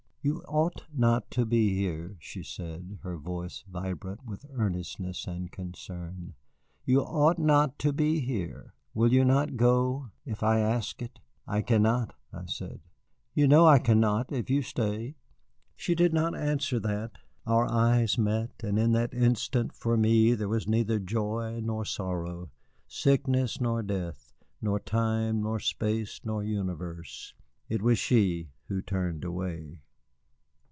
"You ought not to be here," she said, her voice vibrant with earnestness and concern. "You ought not to be here. Will you not go if I ask it?" "I cannot," I said; "you know I cannot if you stay." She did not answer that. Our eyes met, and in that instant for me there was neither joy nor sorrow, sickness nor death, nor time nor space nor universe. It was she who turned away.